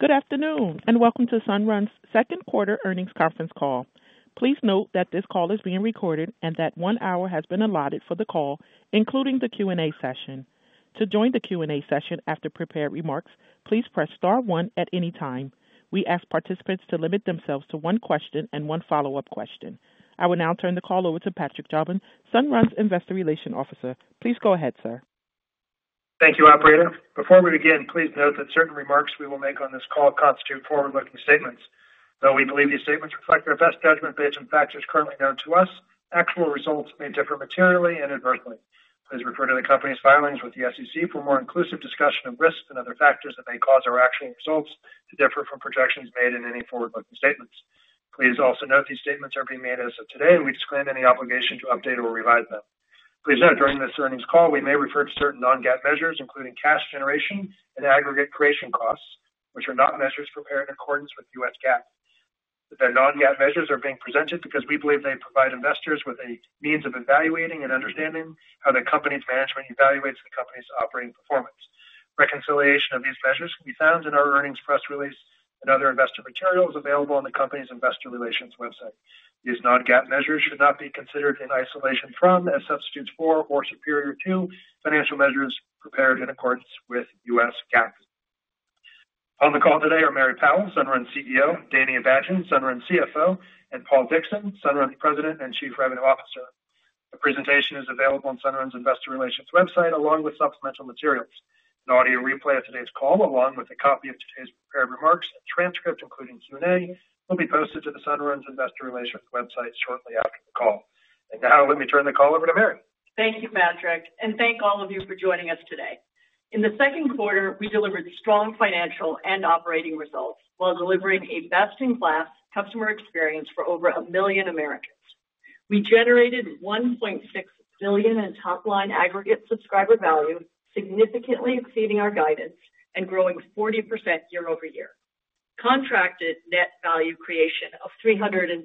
Good afternoon and welcome to Sunrun's Second Quarter Earnings Conference Call. Please note that this call is being recorded and that one hour has been allotted for the call, including the Q&A session. To join the Q&A session after prepared remarks, please press star one at any time. We ask participants to limit themselves to one question and one follow-up question. I will now turn the call over to Patrick Jobin, Sunrun's Investor Relations Officer. Please go ahead, sir. Thank you, operator. Before we begin, please note that certain remarks we will make on this call constitute forward-looking statements. Though we believe these statements reflect our best judgment based on factors currently known to us, actual results may differ materially and inversely. Please refer to the company's filings with the SEC for a more inclusive discussion of risks and other factors that may cause our actual results to differ from projections made in any forward-looking statements. Please also note these statements are being made as of today, and we disclaim any obligation to update or revise them. Please note, during this earnings call, we may refer to certain non-GAAP measures, including cash generation and aggregate creation costs, which are not measures prepared in accordance with U.S. GAAP. The non-GAAP measures are being presented because we believe they provide investors with a means of evaluating and understanding how the company's management evaluates the company's operating performance. Reconciliation of these measures can be found in our earnings press release and other investor materials available on the company's investor relations website. These non-GAAP measures should not be considered in isolation from, as substitutes for, or superior to financial measures prepared in accordance with U.S. GAAP. On the call today are Mary Powell, Sunrun's CEO, Danny Abajian, Sunrun's CFO, and Paul Dickson, Sunrun's President and Chief Revenue Officer. The presentation is available on Sunrun's investor relations website along with supplemental materials. An audio replay of today's call, along with a copy of today's prepared remarks and transcript, including Q&A, will be posted to Sunrun's investor relations website shortly after the call. Now, let me turn the call over to Mary. Thank you, Patrick, and thank all of you for joining us today. In the second quarter, we delivered strong financial and operating results while delivering a best-in-class customer experience for over a million Americans. We generated $1.6 billion in top-line aggregate subscriber value, significantly exceeding our guidance and growing 40% year-over-year. Contracted net value creation of $376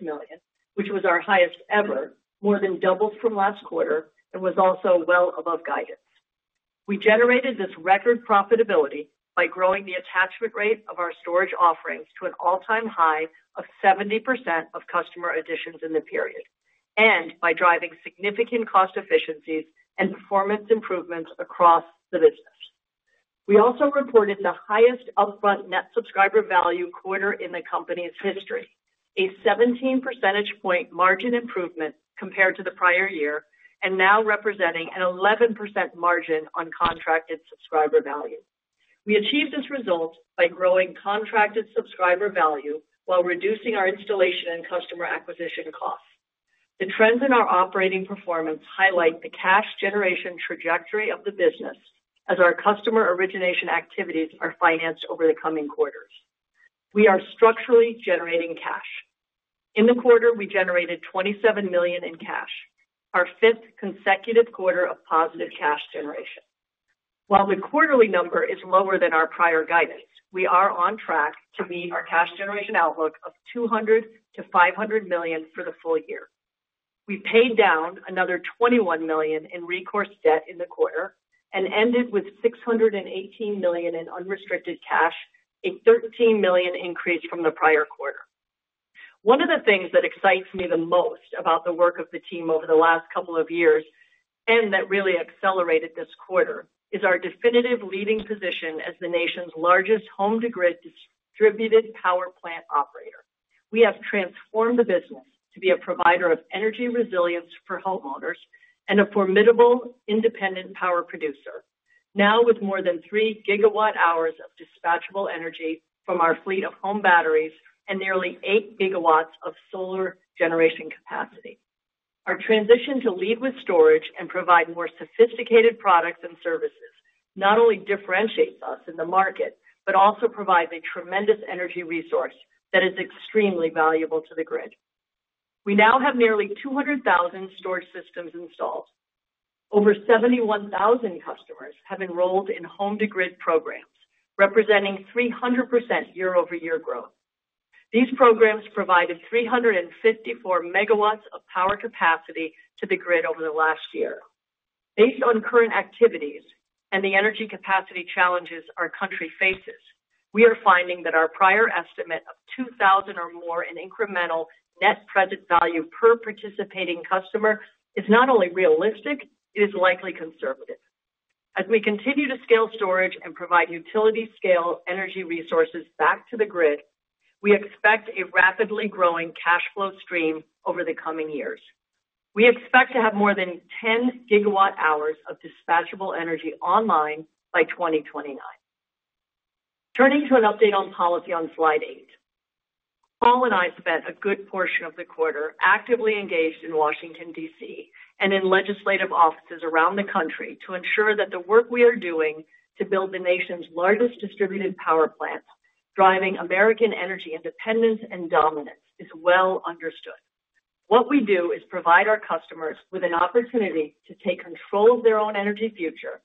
million, which was our highest ever, more than doubled from last quarter and was also well above guidance. We generated this record profitability by growing the attachment rate of our storage offerings to an all-time high of 70% of customer additions in the period and by driving significant cost efficiencies and performance improvements across the business. We also reported the highest upfront net subscriber value quarter in the company's history, a 17 percentage point margin improvement compared to the prior year, and now representing an 11% margin on contracted subscriber value. We achieved this result by growing contracted subscriber value while reducing our installation and customer acquisition costs. The trends in our operating performance highlight the cash generation trajectory of the business as our customer origination activities are financed over the coming quarters. We are structurally generating cash. In the quarter, we generated $27 million in cash, our fifth consecutive quarter of positive cash generation. While the quarterly number is lower than our prior guidance, we are on track to lead our cash generation outlook of $200 million- $500 million for the full year. We paid down another $21 million in recourse debt in the quarter and ended with $618 million in unrestricted cash, a $13 million increase from the prior quarter. One of the things that excites me the most about the work of the team over the last couple of years and that really accelerated this quarter is our definitive leading position as the nation's largest home-to-grid distributed power plant operator. We have transformed the business to be a provider of energy resilience for homeowners and a formidable independent power producer, now with more than 3 GWh of dispatchable energy from our fleet of home batteries and nearly 8 GW of solar generation capacity. Our transition to lead with storage and provide more sophisticated products and services not only differentiates us in the market but also provides a tremendous energy resource that is extremely valuable to the grid. We now have nearly 200,000 storage systems installed. Over 71,000 customers have enrolled in home-to-grid programs, representing 300% year-over-year growth. These programs provided 354 MW of power capacity to the grid over the last year. Based on current activities and the energy capacity challenges our country faces, we are finding that our prior estimate of $2,000 or more in incremental net present value per participating customer is not only realistic, it is likely conservative. As we continue to scale storage and provide utility-scale energy resources back to the grid, we expect a rapidly growing cash flow stream over the coming years. We expect to have more than 10 GWh of dispatchable energy online by 2029. Turning to an update on policy on slide eight, Paul and I spent a good portion of the quarter actively engaged in Washington, D.C., and in legislative offices around the country to ensure that the work we are doing to build the nation's largest distributed power plants, driving American energy independence and dominance, is well understood. What we do is provide our customers with an opportunity to take control of their own energy future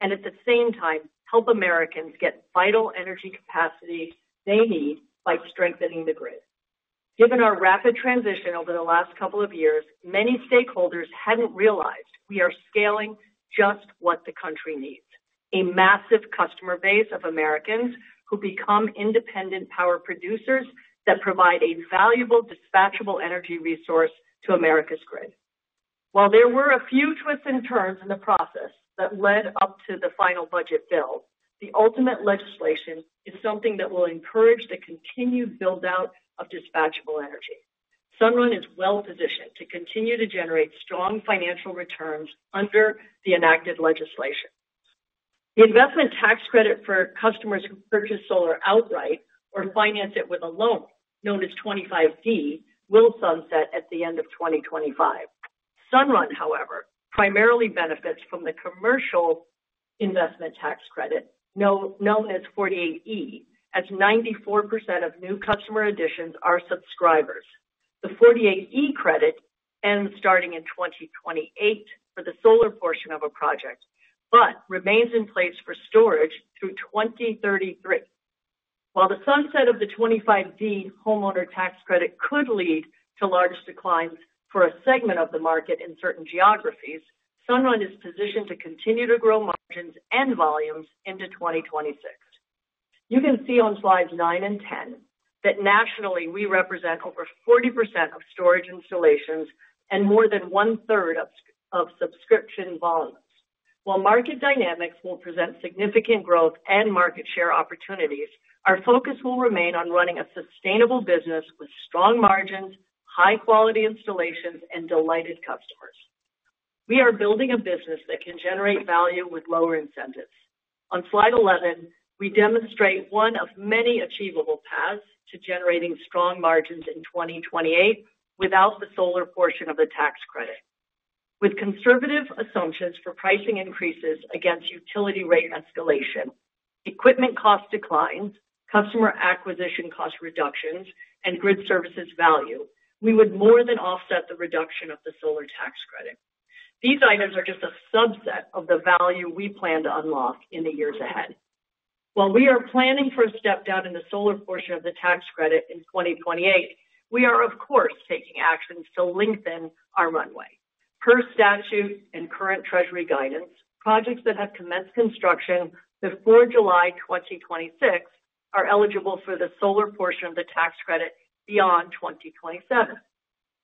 and, at the same time, help Americans get vital energy capacity they need by strengthening the grid. Given our rapid transition over the last couple of years, many stakeholders hadn't realized we are scaling just what the country needs: a massive customer base of Americans who become independent power producers that provide a valuable dispatchable energy resource to America's grid. While there were a few twists and turns in the process that led up to the final budget bill, the ultimate legislation is something that will encourage the continued build-out of dispatchable energy. Sunrun is well-positioned to continue to generate strong financial returns under the enacted legislation. The investment tax credit for customers who purchase solar outright or finance it with a loan, known as 25D, will sunset at the end of 2025. Sunrun, however, primarily benefits from the commercial investment tax credit, known as 48E, as 94% of new customer additions are subscribers. The 48E credit ends starting in 2028 for the solar portion of a project but remains in place for storage through 2033. While the sunset of the 25D homeowner tax credit could lead to large declines for a segment of the market in certain geographies, Sunrun is positioned to continue to grow margins and volumes into 2026. You can see on slides nine and 10 that, nationally, we represent over 40% of storage installations and more than 1/3 of subscription volumes. While market dynamics will present significant growth and market share opportunities, our focus will remain on running a sustainable business with strong margins, high-quality installations, and delighted customers. We are building a business that can generate value with lower incentives. On slide 11, we demonstrate one of many achievable paths to generating strong margins in 2028 without the solar portion of the tax credit. With conservative assumptions for pricing increases against utility rate escalation, equipment cost declines, customer acquisition cost reductions, and grid services value, we would more than offset the reduction of the solar tax credit. These items are just a subset of the value we plan to unlock in the years ahead. While we are planning for a step down in the solar portion of the tax credit in 2028, we are, of course, taking actions to lengthen our runway. Per statute and current Treasury guidance, projects that have commenced construction before July 2026 are eligible for the solar portion of the tax credit beyond 2027.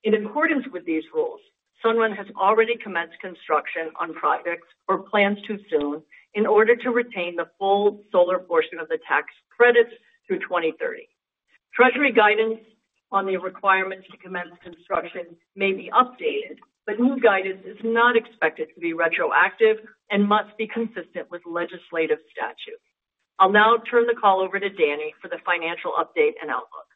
In accordance with these rules, Sunrun has already commenced construction on projects or plans to soon in order to retain the full solar portion of the tax credits through 2030. Treasury guidance on the requirements to commence construction may be updated, but new guidance is not expected to be retroactive and must be consistent with legislative statute. I'll now turn the call over to Danny for the financial update and outlook.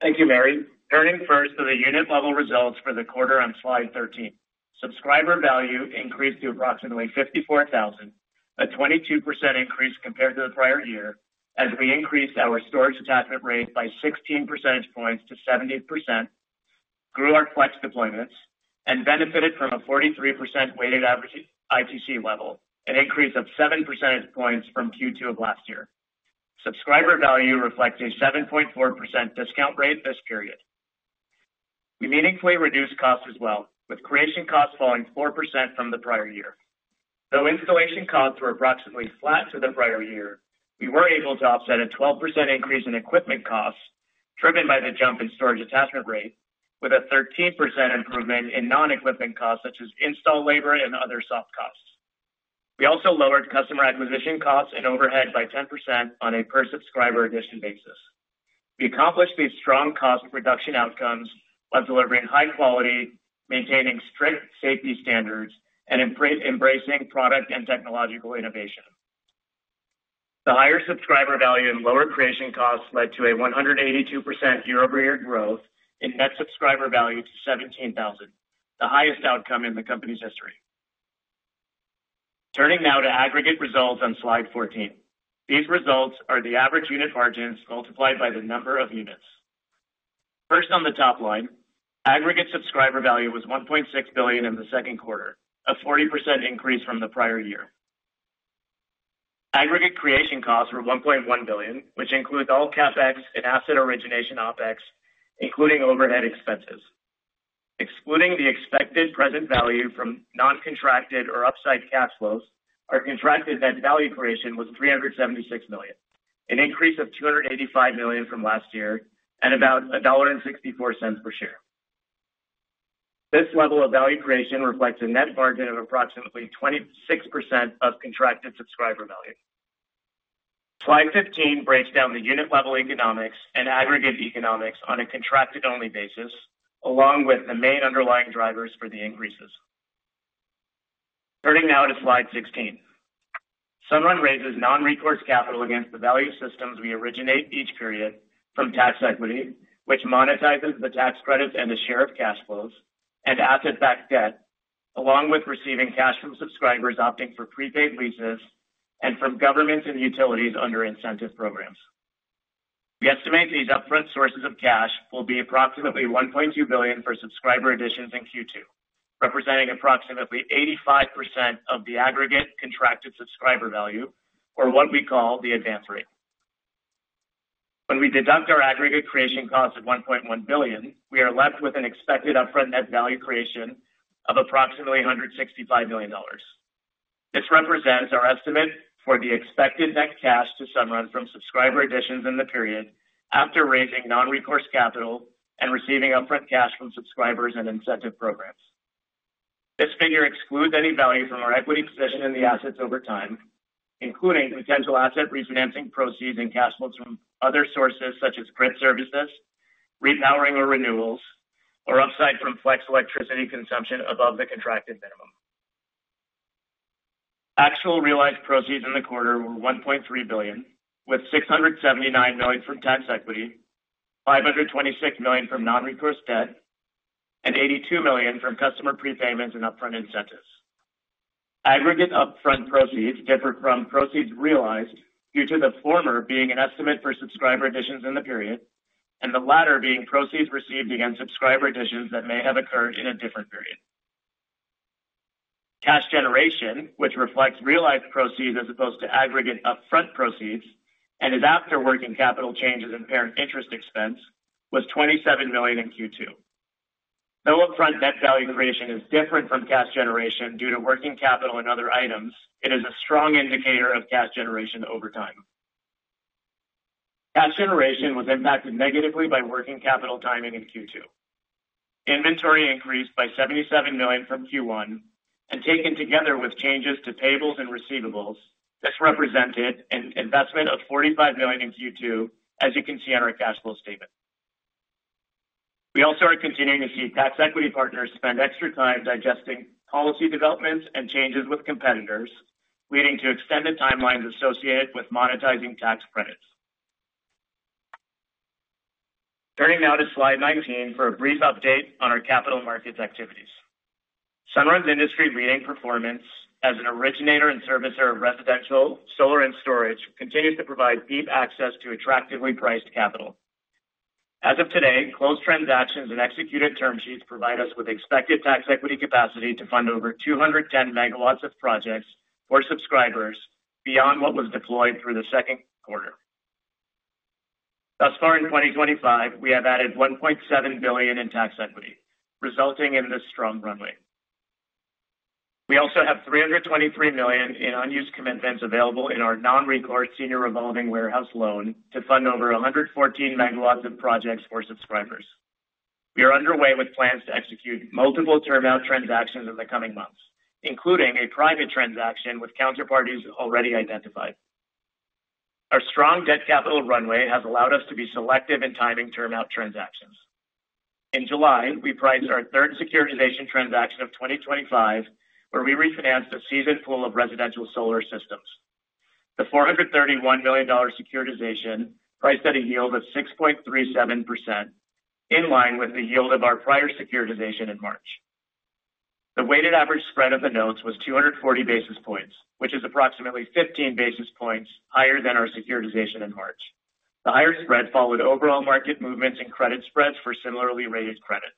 Thank you, Mary. Turning first to the unit-level results for the quarter on slide 13. Subscriber value increased to approximately $54,000, a 22% increase compared to the prior year, as we increased our storage attachment rate by 16 percentage points to 70%, grew our flex deployments, and benefited from a 43% weighted average ITC level, an increase of 7 percentage points from Q2 of last year. Subscriber value reflects a 7.4% discount rate this period. We meaningfully reduced costs as well, with creation costs falling 4% from the prior year. Though installation costs were approximately flat for the prior year, we were able to offset a 12% increase in equipment costs driven by the jump in storage attachment rate with a 13% improvement in non-equipment costs, such as install labor and other soft costs. We also lowered customer acquisition costs and overhead by 10% on a per-subscriber addition basis. We accomplished these strong cost reduction outcomes by delivering high quality, maintaining strict safety standards, and embracing product and technological innovation. The higher subscriber value and lower creation costs led to a 182% year-over-year growth in net subscriber value to $17,000, the highest outcome in the company's history. Turning now to aggregate results on slide 14. These results are the average unit margins multiplied by the number of units. First on the top line, aggregate subscriber value was $1.6 billion in the second quarter, a 40% increase from the prior year. Aggregate creation costs were $1.1 billion, which includes all CapEx and asset origination OpEx, including overhead expenses. Excluding the expected present value from non-contracted or upside cash flows, our contracted net value creation was $376 million, an increase of $285 million from last year at about $1.64 per share. This level of value creation reflects a net margin of approximately 26% of contracted subscriber value. Slide 15 breaks down the unit-level economics and aggregate economics on a contracted-only basis, along with the main underlying drivers for the increases. Turning now to slide 16, Sunrun raises non-recourse capital against the value systems we originate each period from tax equity, which monetizes the tax credits and the share of cash flows and asset-backed debt, along with receiving cash from subscribers opting for prepaid leases and from governments and utilities under incentive programs. We estimate these upfront sources of cash will be approximately $1.2 billion for subscriber additions in Q2, representing approximately 85% of the aggregate contracted subscriber value, or what we call the advance rate. When we deduct our aggregate creation cost of $1.1 billion, we are left with an expected upfront net value creation of approximately $165 million. This represents our estimate for the expected net cash to Sunrun from subscriber additions in the period after raising non-recourse capital and receiving upfront cash from subscribers and incentive programs. This figure excludes any value from our equity position in the assets over time, including the potential asset refinancing proceeds and cash flows from other sources, such as print services, rate powering or renewals, or upside from flex electricity consumption above the contracted minimum. Actual real-life proceeds in the quarter were $1.3 billion, with $679 million from tax equity, $526 million from non-recourse debt, and $82 million from customer prepayments and upfront incentives. Aggregate upfront proceeds differ from proceeds realized due to the former being an estimate for subscriber additions in the period and the latter being proceeds received against subscriber additions that may have occurred in a different period. Cash generation, which reflects real-life proceeds as opposed to aggregate upfront proceeds and is after working capital changes in parent interest expense, was $27 million in Q2. Though upfront net value creation is different from cash generation due to working capital and other items, it is a strong indicator of cash generation over time. Cash generation was impacted negatively by working capital timing in Q2. Inventory increased by $77 million from Q1, and taken together with changes to payables and receivables, this represented an investment of $45 million in Q2, as you can see on our cash flow statement. We also are continuing to see tax equity partners spend extra time digesting policy developments and changes with competitors, leading to extended timelines associated with monetizing tax credits. Turning now to slide 19 for a brief update on our capital markets activities. Sunrun's industry leading performance as an originator and servicer of residential, solar, and storage continues to provide deep access to attractively priced capital. As of today, closed transactions and executed term sheets provide us with expected tax equity capacity to fund over 210 MW of projects or subscribers beyond what was deployed through the second quarter. Thus far, in 2025, we have added $1.7 billion in tax equity, resulting in this strong runway. We also have $323 million in unused commitments available in our non-recourse senior revolving warehouse loan to fund over 114 MW of projects or subscribers. We are underway with plans to execute multiple term-out transactions in the coming months, including a private transaction with counterparties already identified. Our strong debt capital runway has allowed us to be selective in timing term-out transactions. In July, we priced our third securitization transaction of 2025, where we refinanced a seasoned pool of residential solar systems. The $431 million securitization priced at a yield of 6.37%, in line with the yield of our prior securitization in March. The weighted average spread of the notes was 240 basis points, which is approximately 15 basis points higher than our securitization in March. The higher spread followed overall market movements and credit spreads for similarly rated credit.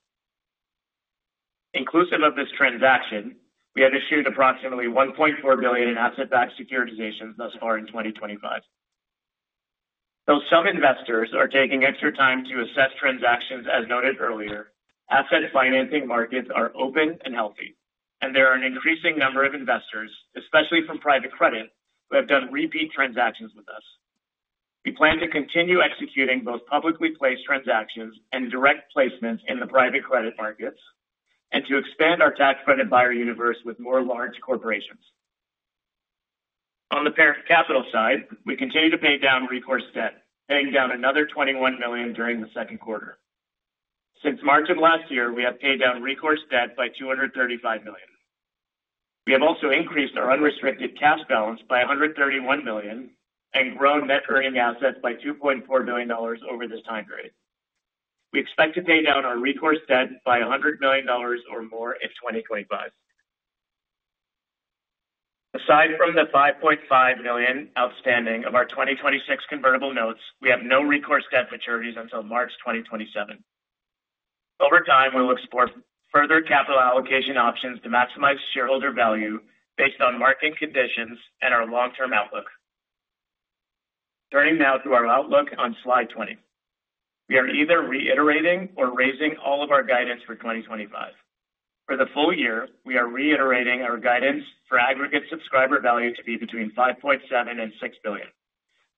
Inclusive of this transaction, we have issued approximately $1.4 billion in asset-backed securitizations thus far in 2025. Though some investors are taking extra time to assess transactions, as noted earlier, asset financing markets are open and healthy, and there are an increasing number of investors, especially from private credit, who have done repeat transactions with us. We plan to continue executing both publicly placed transactions and direct placements in the private credit markets and to expand our tax credit buyer universe with more large corporations. On the parent capital side, we continue to pay down recourse debt, paying down another $21 million during the second quarter. Since March of last year, we have paid down recourse debt by $235 million. We have also increased our unrestricted cash balance by $131 million and grown net earning assets by $2.4 billion over this time period. We expect to pay down our recourse debt by $100 million or more in 2025. Aside from the $5.5 million outstanding of our 2026 convertible notes, we have no recourse debt maturities until March 2027. Over time, we'll explore further capital allocation options to maximize shareholder value based on market conditions and our long-term outlook. Turning now to our outlook on slide 20, we are either reiterating or raising all of our guidance for 2025. For the full year, we are reiterating our guidance for aggregate subscriber value to be between $5.7 million and $6 billion,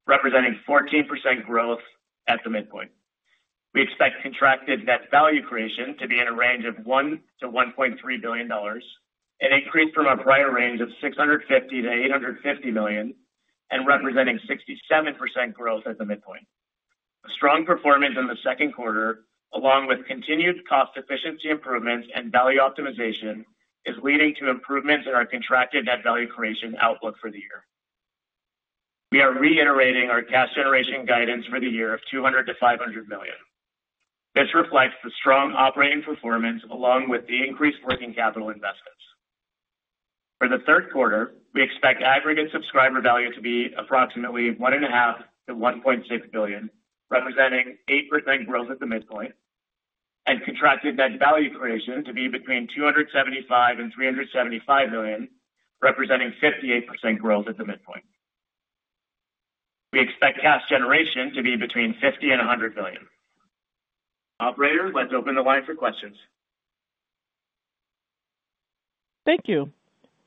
representing 14% growth at the midpoint. We expect contracted net value creation to be in a range of $1 billion-$1.3 billion, an increase from our prior range of $650 million-$850 million, and representing 67% growth at the midpoint. Strong performance in the second quarter, along with continued cost efficiency improvements and value optimization, is leading to improvements in our contracted net value creation outlook for the year. We are reiterating our cash generation guidance for the year of $200 million-$500 million. This reflects the strong operating performance, along with the increased working capital investments. For the third quarter, we expect aggregate subscriber value to be approximately $1.5 billion- $1.6 billion, representing 8% growth at the midpoint, and contracted net value creation to be between $275 million and $375 million, representing 58% growth at the midpoint. We expect cash generation to be between $50 million and $100 million. Operator, let's open the line for questions. Thank you.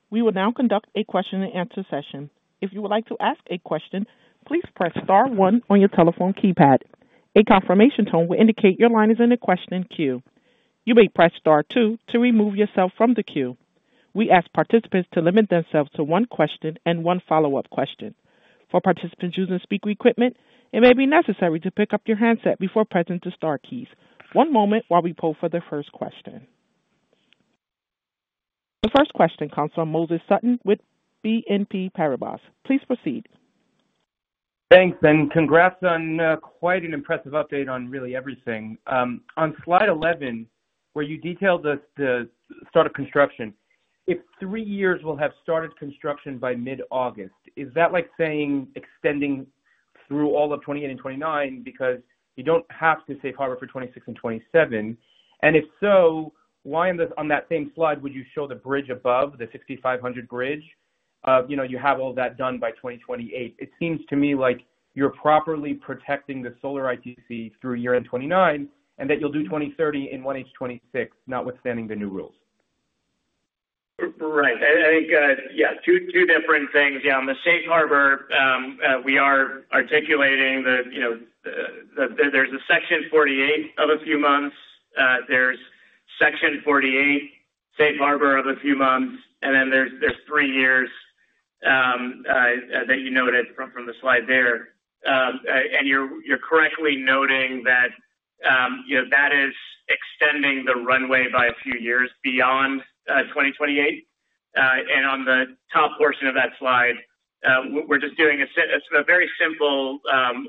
We will now conduct a question and answer session. If you would like to ask a question, please press star one on your telephone keypad. A confirmation tone will indicate your line is in a question queue. You may press star two to remove yourself from the queue. We ask participants to limit themselves to one question and one follow-up question. For participants using speaker equipment, it may be necessary to pick up your handset before pressing the star keys. One moment while we pull for the first question. The first question comes from Moses Sutton with BNP Paribas. Please proceed. Thanks, and congrats on quite an impressive update on really everything. On slide 11, where you detailed the start of construction, if three years will have started construction by mid-August, is that like saying extending through all of 2028 and 2029 because you don't have to safe harbor for 2026 and 2027? If so, why on that same slide would you show the bridge above, the $6,500 bridge? You know, you have all that done by 2028. It seems to me like you're properly protecting the solar ITC through year 2029 and that you'll do 2030 in 1H 2026, notwithstanding the new rules. Right. I think, yeah, two different things. On the safe harbor, we are articulating that there's a Section 48 of a few months. There's Section 48 safe harbor of a few months, and then there's three years that you noted from the slide there. You're correctly noting that that is extending the runway by a few years beyond 2028. On the top portion of that slide, we're just doing a very simple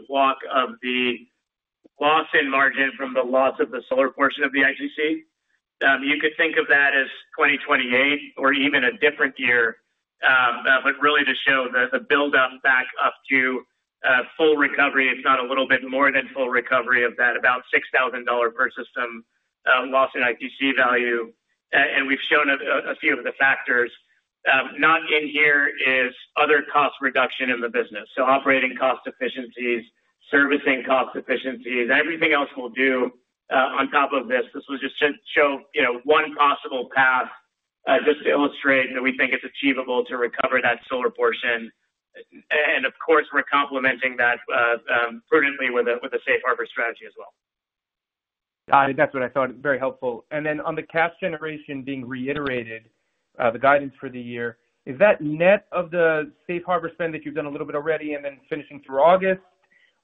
walk of the loss in margin from the loss of the solar portion of the ITC. You could think of that as 2028 or even a different year, but really to show that the build-up back up to full recovery, if not a little bit more than full recovery of that about $6,000 per system loss in ITC value. We've shown a few of the factors. Not in here is other cost reduction in the business. Operating cost efficiencies, servicing cost efficiencies, everything else we'll do on top of this. This was just to show one possible path just to illustrate that we think it's achievable to recover that solar portion. Of course, we're complementing that prudently with a safe harbor strategy as well. Got it. That's what I thought. Very helpful. On the cash generation being reiterated, the guidance for the year, is that net of the safe harbor spend that you've done a little bit already and then finishing through August,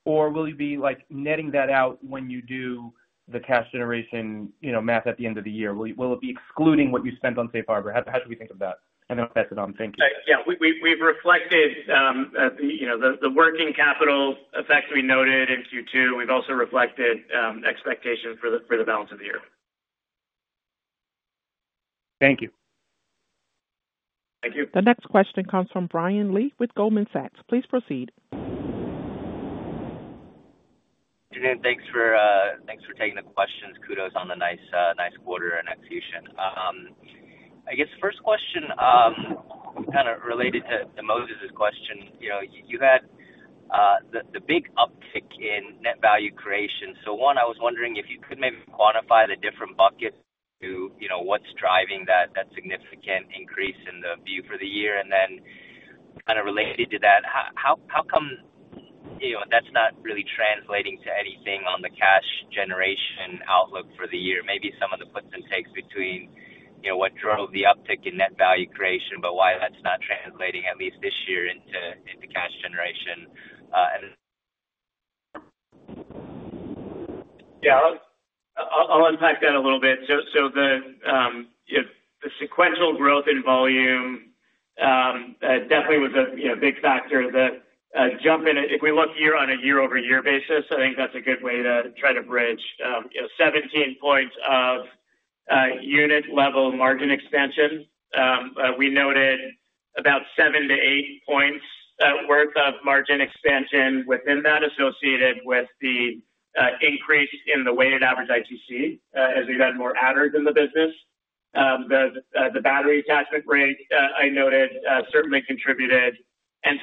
or will you be netting that out when you do the cash generation math at the end of the year? Will it be excluding what you spent on safe harbor? How should we think of that? I'll pass it on. Thank you. Yeah, we've reflected the working capital effects we noted in Q2, and we've also reflected expectations for the balance of the year. Thank you. Thank you. The next question comes from Brian Lee with Goldman Sachs. Please proceed. Judith, thanks for taking the questions. Kudos on the nice quarter and execution. I guess the first question is kind of related to Moses's question. You had the big uptick in net value creation. I was wondering if you could maybe quantify the different buckets to what's driving that significant increase in the view for the year. Kind of related to that, how come that's not really translating to anything on the cash generation outlook for the year? Maybe some of the puts and takes between what drove the uptick in net value creation, but why that's not translating at least this year into cash generation? Yeah, I'll unpack that a little bit. The sequential growth in volume definitely was a big factor. The jump in it, if we look on a year-over-year basis, I think that's a good way to try to bridge 17 points of unit-level margin expansion. We noted about 7 points-8 points worth of margin expansion within that associated with the increase in the weighted average ITC as we've had more adders in the business. The battery attachment rate I noted certainly contributed. To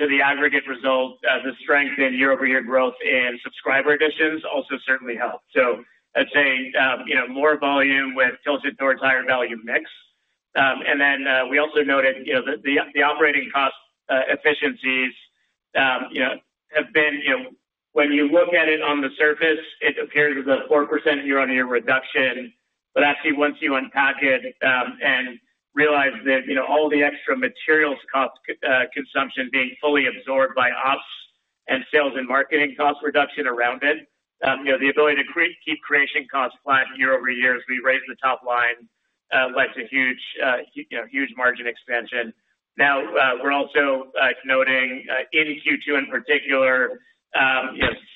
the aggregate result, the strength in year-over-year growth in subscriber additions also certainly helped. I'd say more volume with tilted towards higher value mix. We also noted that the operating cost efficiencies have been, when you look at it on the surface, it appears as a 4% year-on-year reduction. Actually, once you unpack it and realize that all the extra materials cost consumption being fully absorbed by ops and sales and marketing cost reduction around it, the ability to keep creation costs flat year-over-year as we raise the top line lets a huge margin expansion. We are also noting in Q2 in particular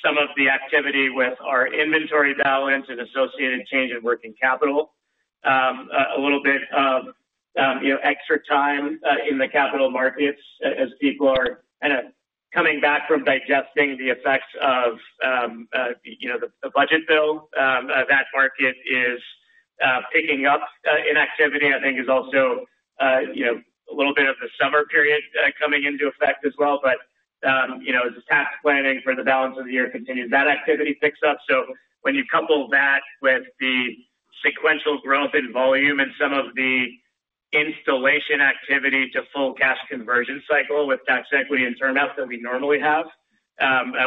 some of the activity with our inventory balance and associated change in working capital, a little bit of extra time in the capital markets as people are kind of coming back from digesting the effects of the budget bill. That market is picking up in activity. I think it's also a little bit of the summer period coming into effect as well. As the tax planning for the balance of the year continues, that activity picks up. When you couple that with the sequential growth in volume and some of the installation activity to full cash conversion cycle with tax and equity and turnout that we normally have,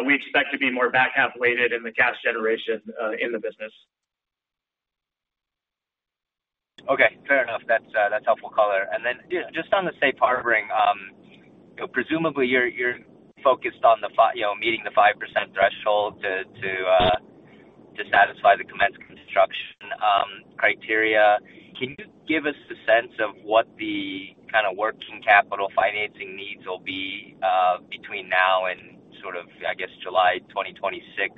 we expect to be more back half weighted in the cash generation in the business. Okay, fair enough. That's a helpful call there. Just on the safe harboring, presumably you're focused on meeting the 5% threshold to satisfy the commencement construction criteria. Can you give us the sense of what the kind of working capital financing needs will be between now and, I guess, July 2026?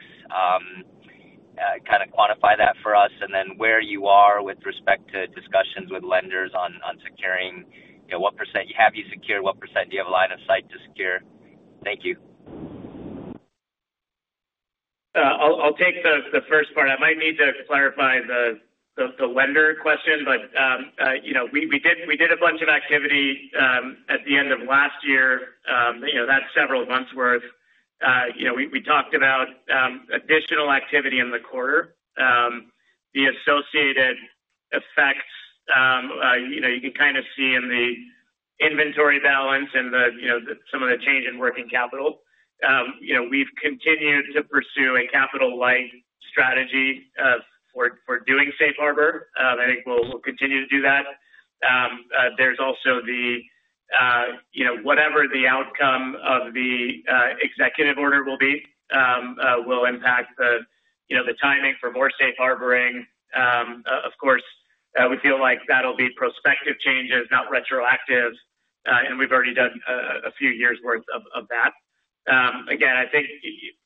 Kind of quantify that for us. Where you are with respect to discussions with lenders on securing what percent you have secured, what percent you have a line of sight to secure? Thank you. I'll take the first part. I might need to clarify the lender question, but we did a bunch of activity at the end of last year. That's several months' worth. We talked about additional activity in the quarter. The associated effects you can kind of see in the inventory balance and some of the change in working capital. We've continued to pursue a capital line strategy of we're doing safe harbor. I think we'll continue to do that. There's also the, whatever the outcome of the executive order will be, will impact the timing for more safe harboring. Of course, we feel like that'll be prospective changes, not retroactive. We've already done a few years' worth of that. I think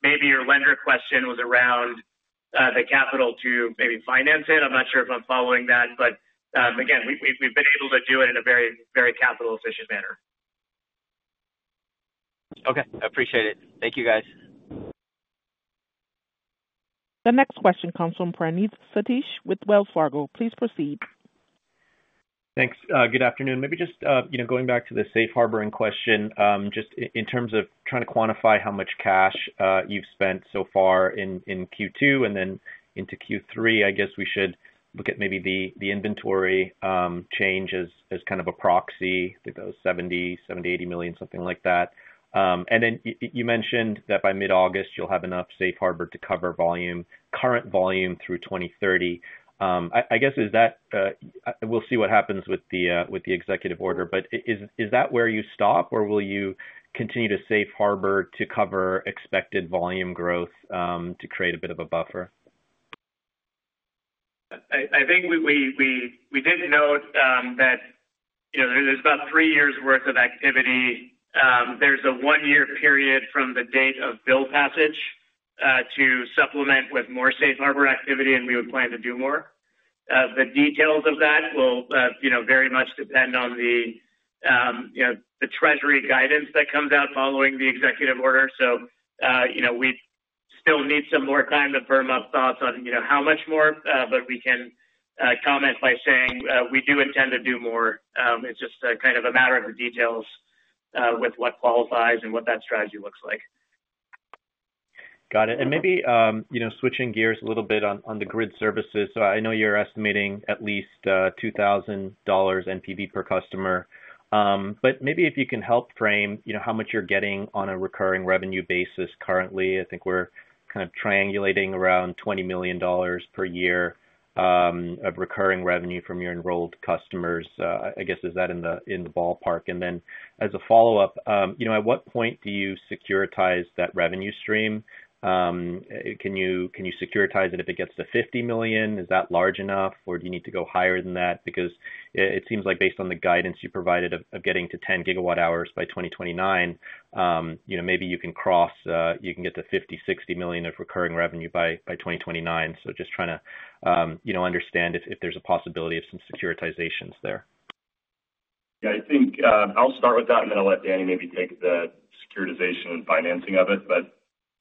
maybe your lender question was around the capital to maybe finance it. I'm not sure if I'm following that. We've been able to do it in a very, very capital-efficient manner. Okay, I appreciate it. Thank you, guys. The next question comes from Praneeth Satish with Wells Fargo. Please proceed. Thanks. Good afternoon. Maybe just going back to the safe harbor strategy question, just in terms of trying to quantify how much cash you've spent so far in Q2 and then into Q3, I guess we should look at maybe the inventory change as kind of a proxy that goes $70 million, $70 million-$80 million, something like that. You mentioned that by mid-August, you'll have enough safe harbor to cover current volume through 2030. I guess we'll see what happens with the executive order. Is that where you stop, or will you continue to safe harbor to cover expected volume growth to create a bit of a buffer? I think we did note that there's about three years' worth of activity. There's a one-year period from the date of bill passage to supplement with more safe harbor activity, and we would plan to do more. The details of that will very much depend on the Treasury guidance that comes out following the executive order. We still need some more time to firm up thoughts on how much more, but we can comment by saying we do intend to do more. It's just kind of a matter of the details with what qualifies and what that strategy looks like. Got it. Maybe switching gears a little bit on the grid services. I know you're estimating at least $2,000 NPV per customer. If you can help frame how much you're getting on a recurring revenue basis currently, I think we're kind of triangulating around $20 million per year of recurring revenue from your enrolled customers. I guess is that in the ballpark? As a follow-up, at what point do you securitize that revenue stream? Can you securitize it if it gets to $50 million? Is that large enough, or do you need to go higher than that? It seems like based on the guidance you provided of getting to 10 GWh by 2029, maybe you can get to $50 million-$60 million of recurring revenue by 2029. Just trying to understand if there's a possibility of some securitizations there. Yeah, I think I'll start with that, and then I'll let Danny maybe take the securitization and financing of it.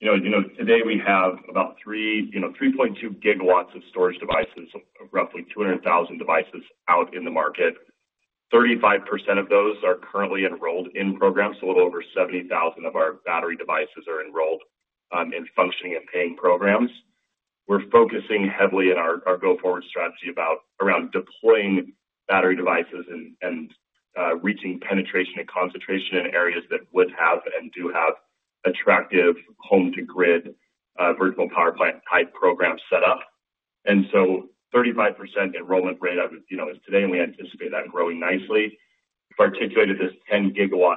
Today we have about 3.2 GW of storage devices, roughly 200,000 devices out in the market. 35% of those are currently enrolled in programs, so a little over 70,000 of our battery devices are enrolled in functioning and paying programs. We're focusing heavily in our go-forward strategy around deploying battery devices and reaching penetration and concentration in areas that would have and do have attractive home-to-grid virtual power plant type programs set up. The 35% enrollment rate is today, and we anticipate that growing nicely. I've articulated this 10 GW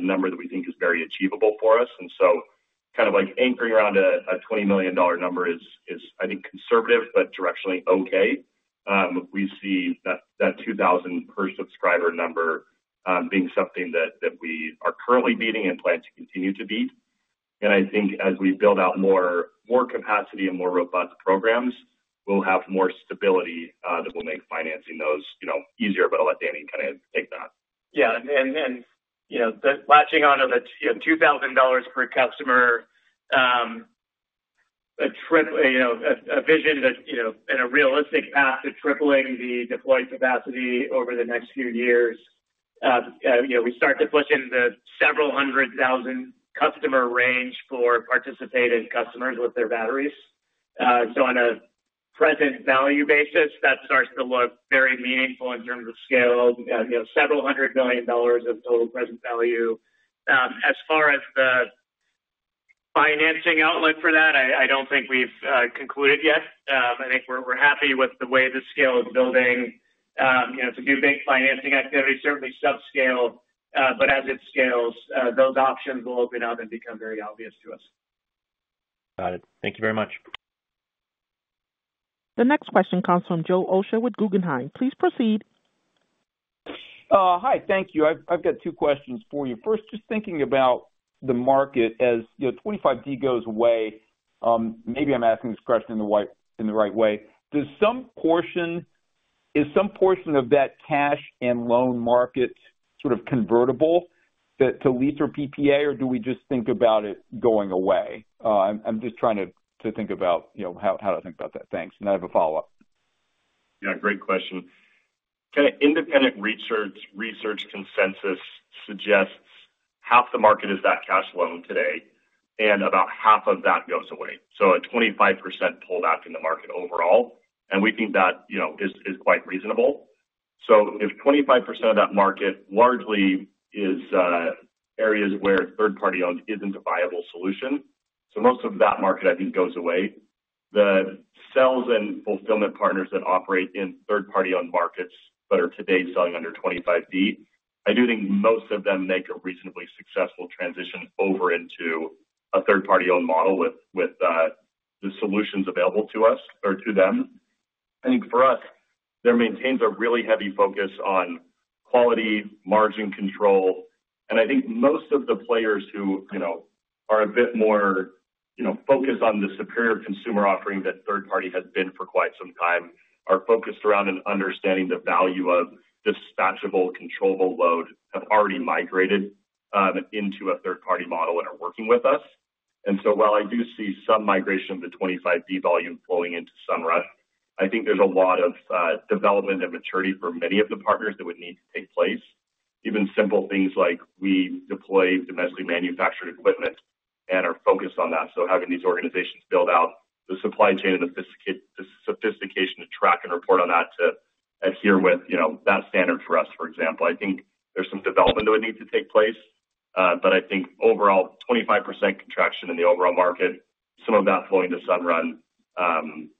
number that we think is very achievable for us. Kind of like anchoring around a $20 million number is, I think, conservative but directionally okay. We see that that $2,000 per subscriber number being something that we are currently meeting and plan to continue to meet. I think as we build out more capacity and more robust programs, we'll have more stability that will make financing those easier. I'll let Danny kind of take that. Yeah, latching on to the $2,000 per customer, a vision and a realistic path to tripling the deploy capacity over the next few years. We start to push into the several hundred thousand customer range for participated customers with their batteries. On a present value basis, that starts to look very meaningful in terms of scale. You have several hundred million dollars of total present value. As far as the financing outlook for that, I don't think we've concluded yet. I think we're happy with the way the scale is building. If you think financing activity certainly subscales, but as it scales, those options will open up and become very obvious to us. Got it. Thank you very much. The next question comes from Joe Osha with Guggenheim. Please proceed. Hi, thank you. I've got two questions for you. First, just thinking about the market as 25D goes away. Maybe I'm asking this question in the right way. Does some portion, is some portion of that cash and loan market sort of convertible to lease or PPA, or do we just think about it going away? I'm just trying to think about how to think about that. Thanks. I have a follow-up. Yeah, great question. Kind of independent research consensus suggests half the market is at cash loan today, and about half of that goes away. So a 25% pullback in the market overall. We think that is quite reasonable. If 25% of that market largely is areas where third-party owned isn't a viable solution, most of that market, I think, goes away. The sales and fulfillment partners that operate in third-party owned markets that are today selling under 25D, I do think most of them make a reasonably successful transition over into a third-party owned model with the solutions available to us or to them. For us, there maintains a really heavy focus on quality, margin control. Most of the players who are a bit more focused on the superior consumer offering that third-party had been for quite some time are focused around and understanding the value of dispatchable, controllable load, have already migrated into a third-party model and are working with us. While I do see some migration of the 25D volume flowing into Sunrun, I think there's a lot of development and maturity for many of the partners that would need to take place. Even simple things like we deploy domestically manufactured equipment and are focused on that. Having these organizations build out the supply chain and the sophistication to track and report on that to adhere with that standard for us, for example. I think there's some development that would need to take place. Overall, a 25% contraction in the overall market, some of that flowing to Sunrun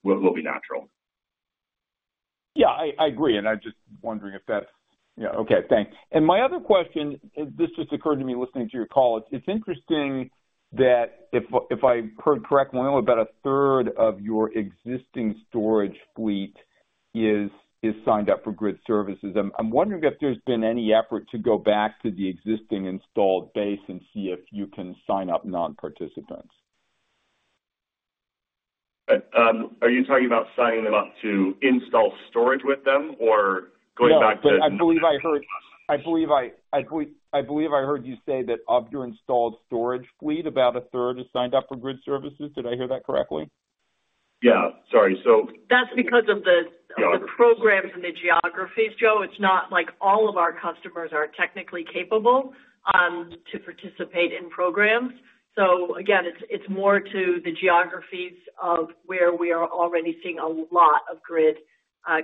will be natural. Yeah, I agree. I'm just wondering if that, okay, thanks. My other question, this just occurred to me listening to your call. It's interesting that if I heard correctly, only about a third of your existing storage fleet is signed up for grid services. I'm wondering if there's been any effort to go back to the existing installed base and see if you can sign up non-participants. Are you talking about signing them up to install storage with them or going back to? I believe I heard you say that of your installed storage fleet, about a third is signed up for grid services. Did I hear that correctly? Sorry. That's because of the programs and the geographies, Joe. It's not like all of our customers are technically capable to participate in programs. It's more to the geographies of where we are already seeing a lot of grid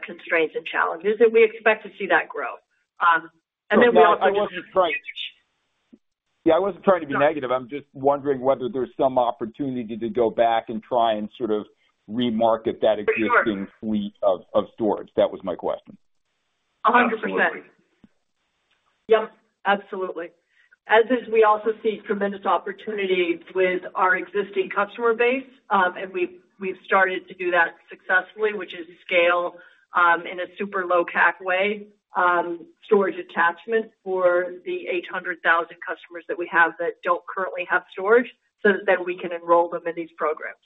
constraints and challenges. We expect to see that grow. Yeah, I wasn't trying to be negative. I'm just wondering whether there's some opportunity to go back and try and sort of remarket that existing fleet of storage. That was my question. 100%. Yep, absolutely. As we also see tremendous opportunity with our existing customer base, we've started to do that successfully, which is scale in a super low-cap way, storage attachment for the 800,000 customers that we have that don't currently have storage so that then we can enroll them in these programs.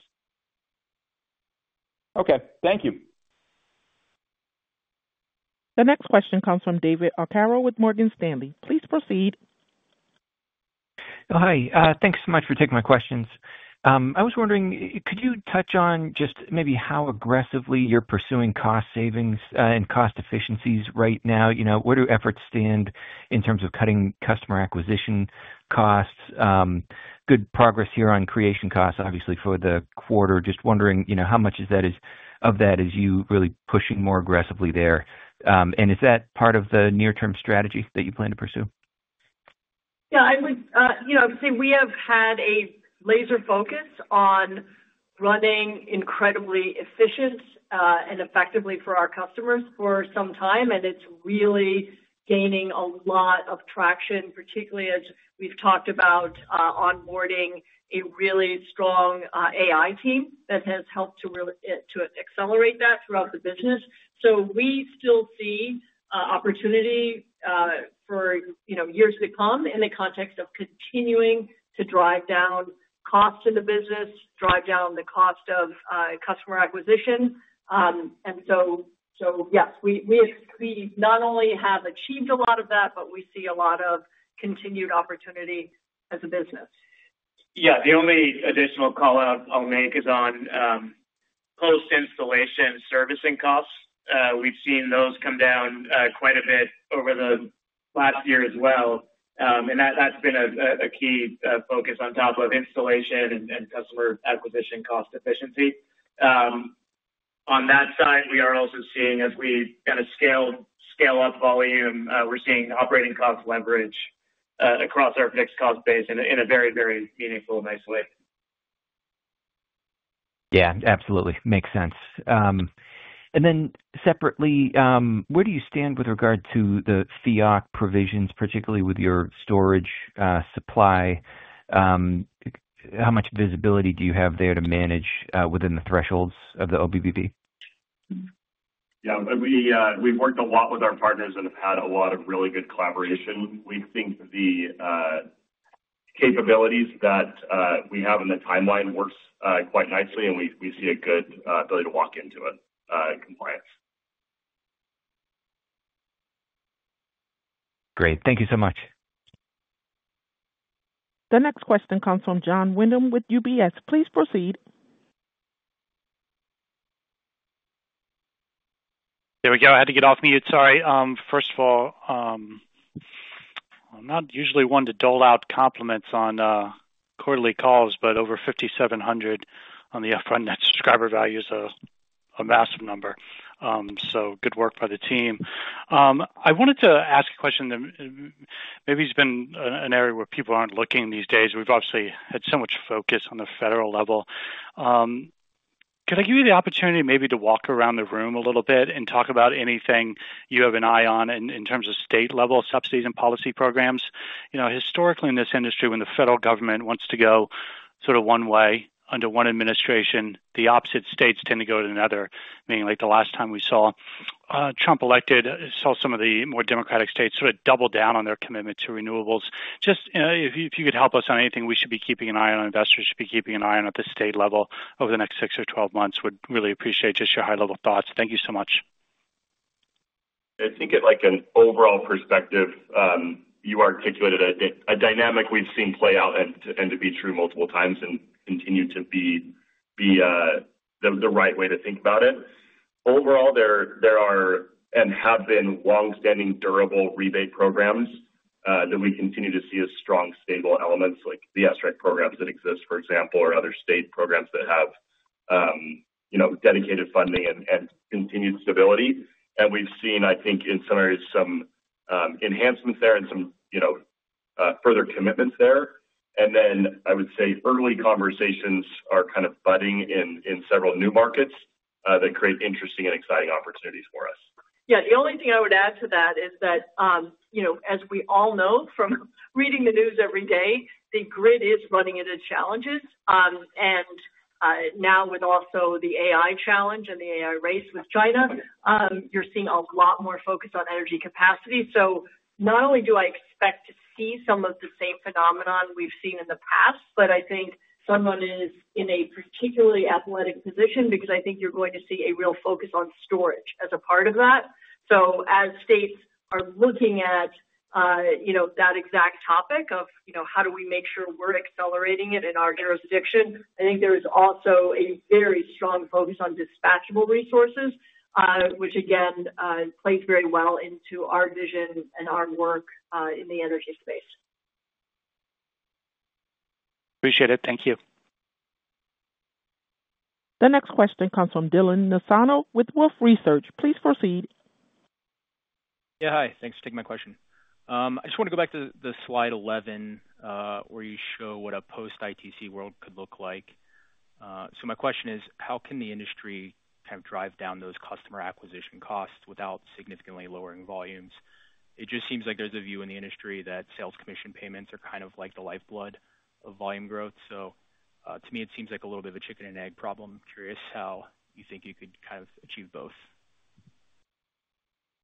Okay, thank you. The next question comes from David Arcaro with Morgan Stanley. Please proceed. Hi, thanks so much for taking my questions. I was wondering, could you touch on just maybe how aggressively you're pursuing cost savings and cost efficiencies right now? Where do efforts stand in terms of cutting customer acquisition costs? Good progress here on creation costs, obviously, for the quarter. Just wondering how much of that is you really pushing more aggressively there? Is that part of the near-term strategy that you plan to pursue? Yeah, I would say we have had a laser focus on running incredibly efficiently and effectively for our customers for some time. It's really gaining a lot of traction, particularly as we've talked about onboarding a really strong AI team that has helped to accelerate that throughout the business. We still see opportunity for years to come in the context of continuing to drive down costs in the business, drive down the cost of customer acquisition. Yes, we not only have achieved a lot of that, but we see a lot of continued opportunity as a business. Yeah, the only additional callout I'll make is on post-installation servicing costs. We've seen those come down quite a bit over the last year as well. That's been a key focus on top of installation and customer acquisition cost efficiency. On that side, we are also seeing, as we kind of scale up volume, we're seeing operating costs leverage across our fixed cost base in a very, very meaningful and nice way. Yeah, absolutely. Makes sense. Separately, where do you stand with regard to the FEOC provisions, particularly with your storage supply? How much visibility do you have there to manage within the thresholds of the OBVP? Yeah, we've worked a lot with our partners and have had a lot of really good collaboration. We think the capabilities that we have in the timeline work quite nicely, and we see a good ability to walk into it in compliance. Great, thank you so much. The next question comes from Jon Windham with UBS. Please proceed. There we go. I had to get off mute. Sorry. First of all, I'm not usually one to dole out compliments on quarterly calls, but over $5,700 on the upfront net subscriber value is a massive number. Good work by the team. I wanted to ask a question that maybe has been an area where people aren't looking these days. We've obviously had so much focus on the federal level. Could I give you the opportunity to walk around the room a little bit and talk about anything you have an eye on in terms of state-level subsidies and policy programs? Historically in this industry, when the federal government wants to go sort of one way under one administration, the opposite states tend to go to another, meaning like the last time we saw Trump elected, some of the more Democratic states sort of double down on their commitment to renewables. If you could help us on anything we should be keeping an eye on, investors should be keeping an eye on at the state level over the next 6 or 12 months, would really appreciate just your high-level thoughts. Thank you so much. I think at an overall perspective, you articulated a dynamic we've seen play out and to be true multiple times and continue to be the right way to think about it. Overall, there are and have been longstanding durable rebate programs that we continue to see as strong, stable elements like the ESSREP programs that exist, for example, or other state programs that have dedicated funding and continued stability. We've seen, I think, in some areas, some enhancements there and some further commitments there. I would say early conversations are kind of budding in several new markets that create interesting and exciting opportunities for us. Yeah, the only thing I would add to that is that, you know, as we all know from reading the news every day, the grid is running into challenges. Now with also the AI challenge and the AI race with China, you're seeing a lot more focus on energy capacity. Not only do I expect to see some of the same phenomenon we've seen in the past, but I think Sunrun is in a particularly athletic position because I think you're going to see a real focus on storage as a part of that. As states are looking at that exact topic of how do we make sure we're accelerating it in our jurisdiction, I think there's also a very strong focus on dispatchable resources, which again plays very well into our vision and our work in the energy space. Appreciate it. Thank you. The next question comes from Dylan Nassano with Wolfe Research. Please proceed. Yeah, hi. Thanks for taking my question. I just want to go back to slide 11 where you show what a post-ITC world could look like. My question is, how can the industry kind of drive down those customer acquisition costs without significantly lowering volumes? It just seems like there's a view in the industry that sales commission payments are kind of like the lifeblood of volume growth. To me, it seems like a little bit of a chicken and egg problem. Curious how you think you could kind of achieve both.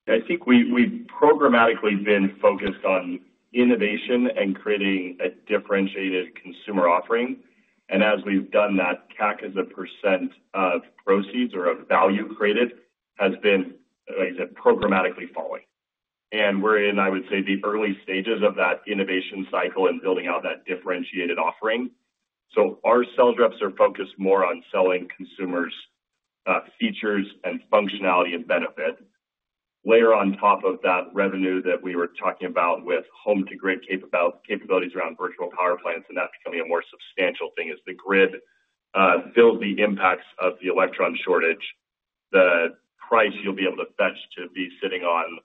I think we've programmatically been focused on innovation and creating a differentiated consumer offering. As we've done that, CAC as a percentage of proceeds or of value created has been, like I said, programmatically falling. We're in, I would say, the early stages of that innovation cycle and building out that differentiated offering. Our sales reps are focused more on selling consumers features and functionality and benefit. Layer on top of that revenue that we were talking about with home-to-grid capabilities around virtual power plants and that becoming a more substantial thing as the grid builds the impacts of the electron shortage. The price you'll be able to fetch to be sitting on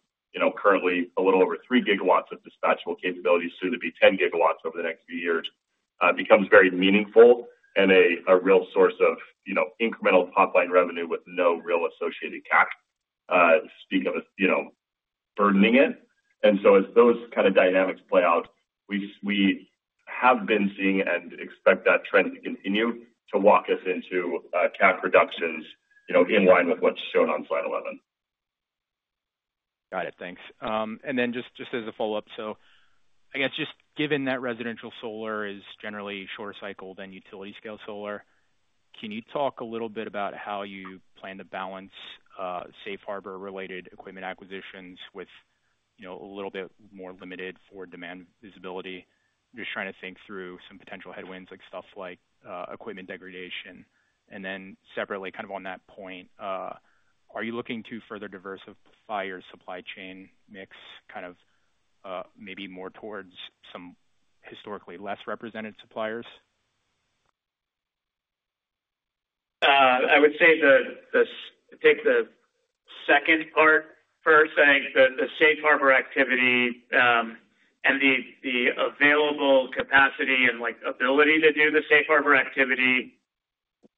currently a little over 3 GW of dispatchable capabilities, soon to be 10 GW over the next few years, becomes very meaningful and a real source of incremental top-line revenue with no real associated CAC, speak of burning it. As those kind of dynamics play out, we just have been seeing and expect that trend to continue to walk us into CAC reductions in line with what's shown on slide 11. Got it. Thanks. Just as a follow-up, I guess just given that residential solar is generally shorter cycle than utility-scale solar, can you talk a little bit about how you plan to balance safe harbor-related equipment acquisitions with a little bit more limited demand visibility? I'm just trying to think through some potential headwinds like equipment degradation. Separately, on that point, are you looking to further diversify your supply chain mix, maybe more towards some historically less represented suppliers? I would say that I think the second part first. I think the safe harbor activity and the available capacity and ability to do the safe harbor activity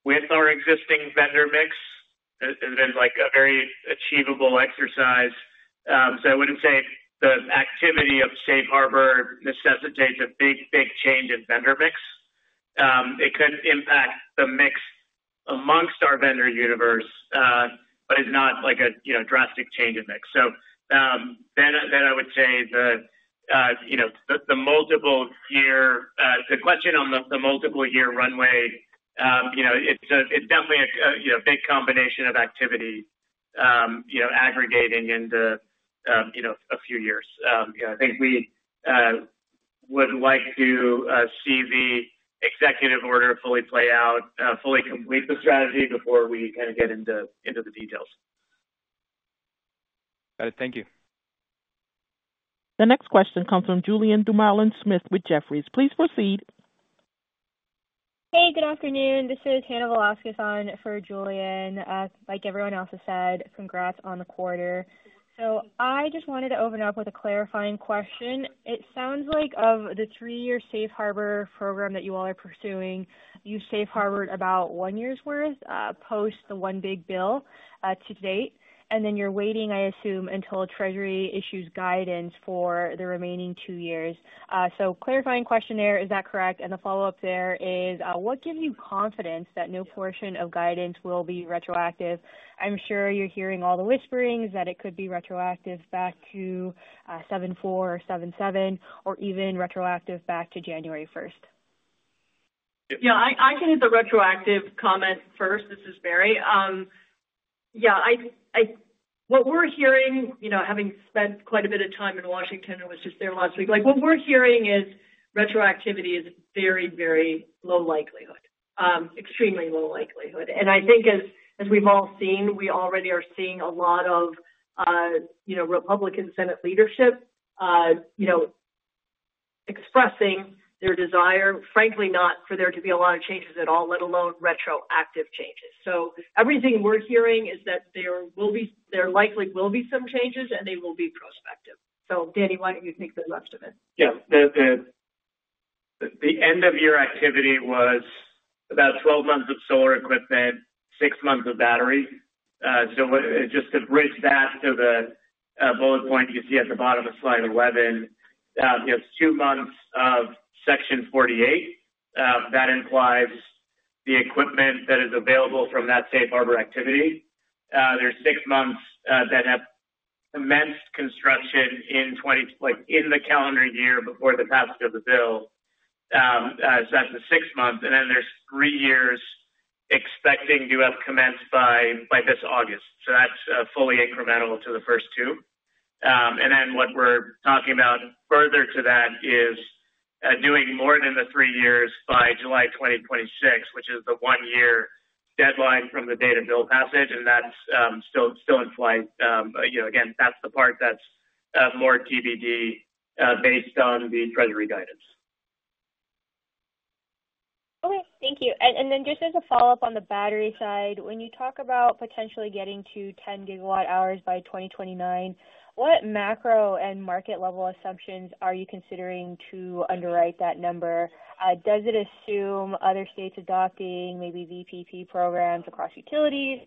with our existing vendor mix has been a very achievable exercise. I wouldn't say the activity of safe harbor necessitates a big change in vendor mix. It could impact the mix amongst our vendor universe, but it's not a drastic change in mix. I would say the question on the multiple-year runway, it's definitely a big combination of activity aggregating into a few years. I think we would like to see the executive order fully play out, fully complete the strategy before we get into the details. Thank you. The next question comes from Julien Dumoulin-Smith with Jefferies. Please proceed. Hey, good afternoon. This is Hannah Velásquez on for Julien. Like everyone else has said, congrats on the quarter. I just wanted to open it up with a clarifying question. It sounds like of the three-year safe harbor strategy that you all are pursuing, you safe harbored about one year's worth post the one big bill to date. You're waiting, I assume, until Treasury issues guidance for the remaining two years. Clarifying question there, is that correct? The follow-up there is, what gives you confidence that no portion of guidance will be retroactive? I'm sure you're hearing all the whisperings that it could be retroactive back to 07/04 or 07/07 or even retroactive back to January 1st. Yeah, I can hit the retroactive comment first. This is Mary. What we're hearing, you know, having spent quite a bit of time in Washington and was just there last week, what we're hearing is retroactivity is very, very low likelihood, extremely low likelihood. I think as we've all seen, we already are seeing a lot of, you know, Republican Senate leadership expressing their desire, frankly, not for there to be a lot of changes at all, let alone retroactive changes. Everything we're hearing is that there likely will be some changes and they will be prospective. Danny, why don't you take the rest of it? Yeah, the end-of-year activity was about 12 months of solar equipment, six months of batteries. Just to bridge that to the bullet point you can see at the bottom of slide 11, you have two months of Section 48. That implies the equipment that is available from that safe harbor activity. There are six months that have commenced construction in the calendar year before the passage of the bill. That is the six months. There are three years expecting to have commenced by this August. That is fully incremental to the first two. What we are talking about further to that is doing more than the three years by July 2026, which is the one-year deadline from the date of bill passage. That is still in flight. Again, that is the part that is more TBD based on the Treasury guidance. Okay, thank you. Just as a follow-up on the battery side, when you talk about potentially getting to 10 GWh by 2029, what macro and market-level assumptions are you considering to underwrite that number? Does it assume other states adopting maybe virtual power plant programs across utilities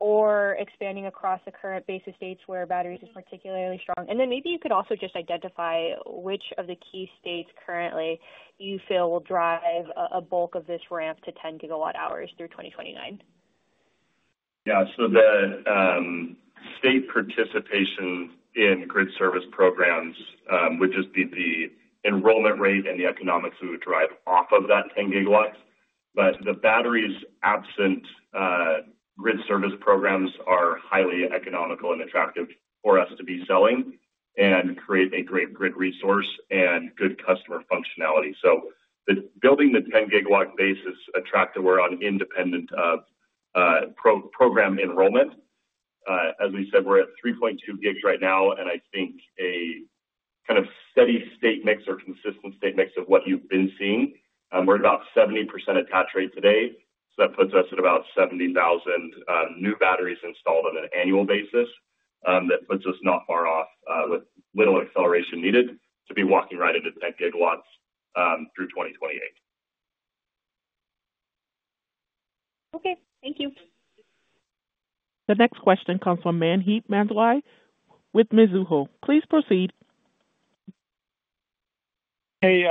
or expanding across the current base of states where batteries are particularly strong? Maybe you could also just identify which of the key states currently you feel will drive a bulk of this ramp to 10 GWh through 2029. Yeah, the state participation in grid service programs would just be the enrollment rate and the economics we would derive off of that 10 GW. The batteries absent grid service programs are highly economical and attractive for us to be selling and create a great grid resource and good customer functionality. Building the 10 GW base is attractive. We're on independent program enrollment. As we said, we're at 3.2 GW right now, and I think a kind of steady state mix or consistent state mix of what you've been seeing. We're at about 70% attach rate today. That puts us at about 70,000 new batteries installed on an annual basis. That puts us not far off with little acceleration needed to be walking right into 10 GW through 2028. Okay, thank you. The next question comes from Maheep Mandloi with Mizuho. Please proceed. Hey,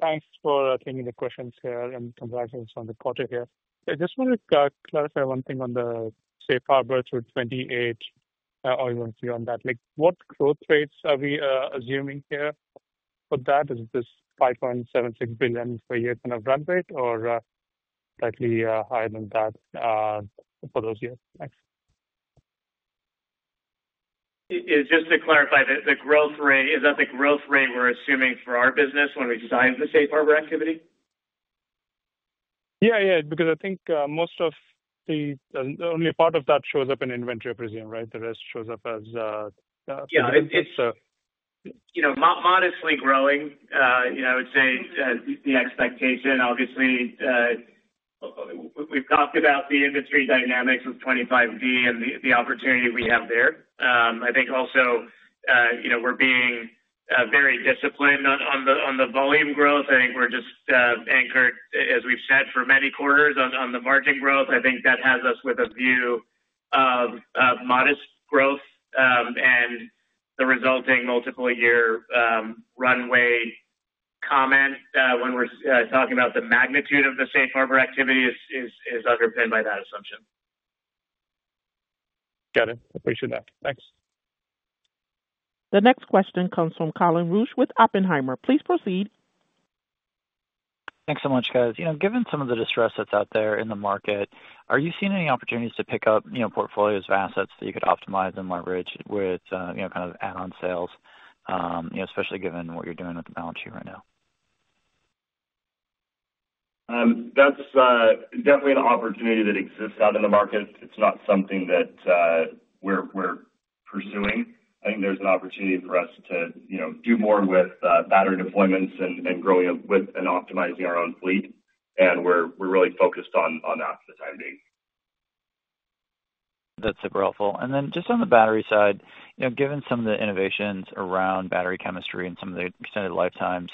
thanks for taking the questions here and congrats on the quarter. I just want to clarify one thing on the safe harbor through 2028. I'll go through on that. What growth rates are we assuming for that? Is it this $5.76 billion per year kind of run rate or slightly higher than that for those years? Just to clarify, the growth rate, is that the growth rate we're assuming for our business when we design the safe harbor strategy? Yeah, because I think most of the only part of that shows up in inventory, I presume, right? The rest shows up as. Yeah, it's modestly growing. I would say the expectation, obviously, we've talked about the industry dynamics of 25D and the opportunity we have there. I think also we're being very disciplined on the volume growth. I think we're just anchored, as we've said, for many quarters on the margin growth. I think that has us with a view of modest growth, and the resulting multiple-year runway comment when we're talking about the magnitude of the safe harbor activity is underpinned by that assumption. Got it. Appreciate that. Thanks. The next question comes from Colin Rusch with Oppenheimer. Please proceed. Thanks so much, guys. Given some of the distress that's out there in the market, are you seeing any opportunities to pick up portfolios of assets that you could optimize and leverage with add-on sales, especially given what you're doing with the balance sheet right now? That's definitely an opportunity that exists out in the market. It's not something that we're pursuing. I think there's an opportunity for us to do more with battery deployments and growing up with and optimizing our own fleet. We're really focused on that for the time being. That's super helpful. Just on the battery side, given some of the innovations around battery chemistry and some of the extended lifetimes,